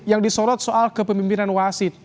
yang disorot soal kepemimpinan wasit